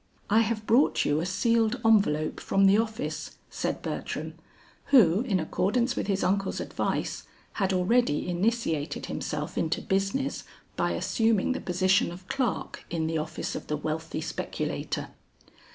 "I have brought you a sealed envelope from the office," said Bertram, who, in accordance with his uncle's advice, had already initiated himself into business by assuming the position of clerk in the office of the wealthy speculator.